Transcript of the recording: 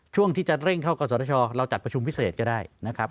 ช่วงที่จะเร่งเข้ากศชเราจัดประชุมพิเศษก็ได้นะครับ